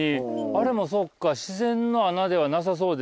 あれもそっか。